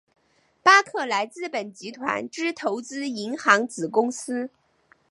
巴克莱资本集团之投资银行子公司。